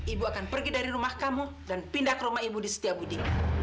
ibu akan pergi dari rumah kamu dan pindah ke rumah ibu di setiabudi